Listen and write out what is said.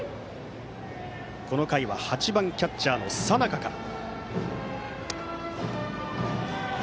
この回は８番キャッチャー、佐仲から。